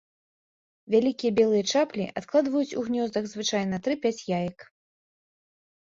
Вялікія белыя чаплі адкладваюць у гнёздах звычайна тры-пяць яек.